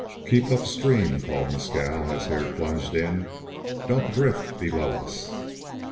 "Keep up stream," called Mescal as Hare plunged in. "Don't drift below us."